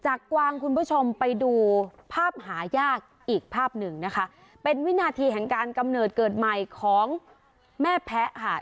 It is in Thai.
กวางคุณผู้ชมไปดูภาพหายากอีกภาพหนึ่งนะคะเป็นวินาทีแห่งการกำเนิดเกิดใหม่ของแม่แพ้ค่ะ